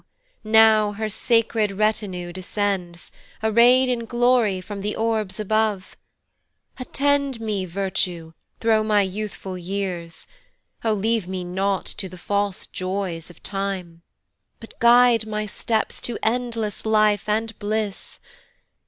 now her sacred retinue descends, Array'd in glory from the orbs above. Attend me, Virtue, thro' my youthful years! O leave me not to the false joys of time! But guide my steps to endless life and bliss.